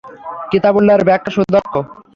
কিতাবুল্লাহর ব্যাখ্যায় সুদক্ষ।